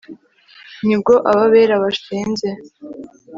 Ni bwo aba bera bashinze